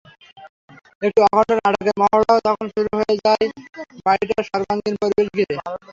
একটি অখণ্ড নাটকের মহড়া তখন শুরু হয়ে যায় বাড়িটার সর্বাঙ্গীণ পরিবেশ ঘিরে।